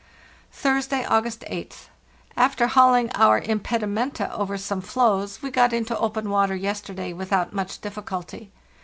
"Thursday, August 8th. After hauling our zzpedr menta over some floes we got into open water yesterday without much difficulty.